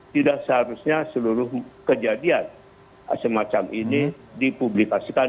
tidak seharusnya seluruh kejadian semacam ini dipublikasikan